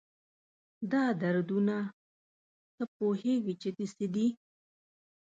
دا دردونه، تۀ پوهېږي چې د څه دي؟